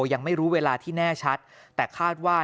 ยังไม่รู้เวลาที่แน่ชัดแต่คาดว่า